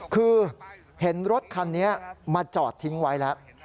คือเห็นรถคันนี้มาจอดทิ้งไว้แล้ว